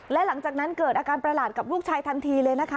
และหลังจากนั้นเกิดอาการประหลาดกับลูกชายทันทีเลยนะคะ